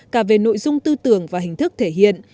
cả về nội dung tư tưởng và hình thức thể hiện